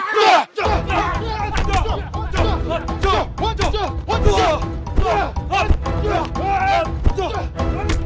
jauh jauh jauh